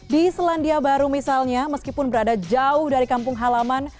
di selandia baru misalnya meskipun berada jauh dari kampung halaman